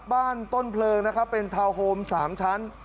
ต้นเพลิงนะครับเป็นทาวน์โฮม๓ชั้น